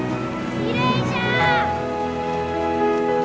きれいじゃのう！